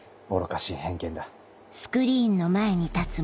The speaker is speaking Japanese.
愚かしい偏見だ。